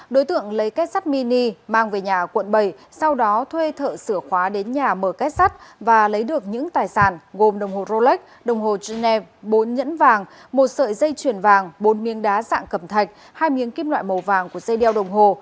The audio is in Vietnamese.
đối tượng lấy kết sắt mini mang về nhà quận bảy sau đó thuê thợ sửa khóa đến nhà mở kết sắt và lấy được những tài sản gồm đồng hồ rolex đồng hồ gine bốn nhẫn vàng một sợi dây chuyền vàng bốn miếng đá dạng cầm thạch hai miếng kim loại màu vàng của dây đeo đồng hồ